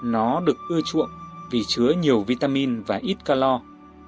nó được ưa chuộng vì chứa nhiều vitamin và ít calor